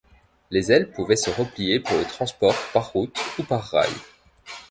Les ailes pouvaient se replier pour le transport par route ou par rail.